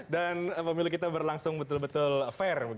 dan pemilu kita berlangsung betul betul fair